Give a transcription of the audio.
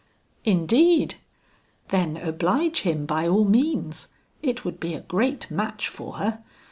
"Indeed! then oblige him by all means; it would be a great match for her.